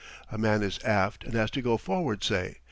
A man is aft and has to go forward, say.